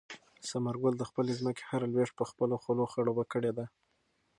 ثمر ګل د خپلې ځمکې هره لوېشت په خپلو خولو خړوبه کړې ده.